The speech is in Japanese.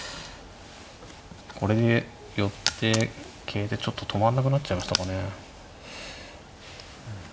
これで寄って桂でちょっと止まんなくなっちゃいましたかね。